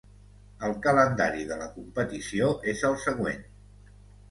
El calendari de la competició és el següent.